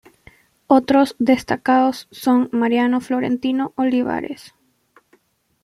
Otros destacados son Mariano Florentino Olivares.